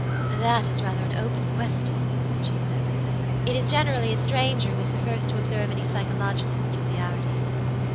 "That is rather an open question," she said. "It is generally a stranger who is the first to observe any psychological peculiarity."